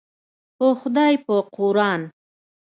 په خدای په قوران.